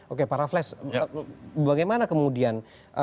oke para flash bagaimana kemudian